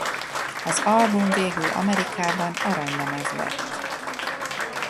Az album végül Amerikában aranylemez lett.